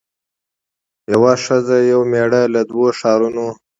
یوه ښځه یو مېړه له دوو ښارونو